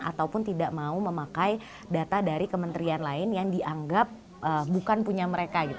ataupun tidak mau memakai data dari kementerian lain yang dianggap bukan punya mereka